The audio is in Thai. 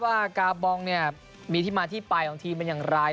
ว่ากาบองเนี่ยมีที่มาที่ไปของทีมเป็นอย่างไร